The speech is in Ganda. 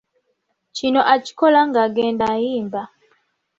Kino akikola ng’agenda ayimba.